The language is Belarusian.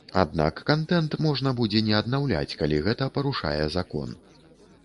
Аднак кантэнт можна будзе не аднаўляць, калі гэта парушае закон.